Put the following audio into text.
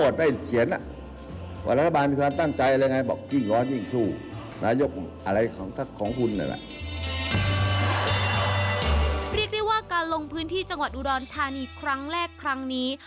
เรียกได้ว่าการลงพื้นที่จังหวัดอุดรธานีครั้งแรกครั้งนี้